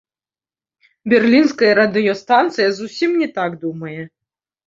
Берлінская радыёстанцыя зусім не так думае.